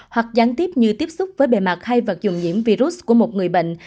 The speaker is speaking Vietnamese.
hoặc gián tiếp như tiếp xúc với bề mặt hay vật dùng nhiễm virus của một người bệnh